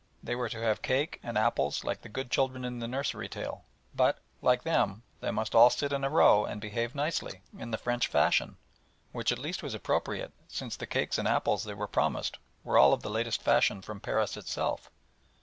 They were to have cake and apples like the good children in the nursery tale, but, like them, they must all sit in a row and behave nicely in the French fashion, which at least was appropriate, since the cakes and apples they were promised were all of the latest fashion from Paris itself.